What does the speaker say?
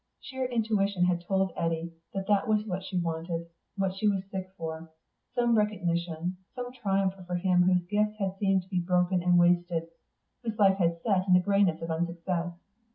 Sheer intuition had told Eddy that that was what she wanted, what she was sick for some recognition, some triumph for him whose gifts had seemed to be broken and wasted, whose life had set in the greyness of unsuccess.